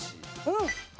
うん。